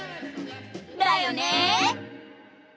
だよね！